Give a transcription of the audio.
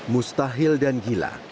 mustahil dan gila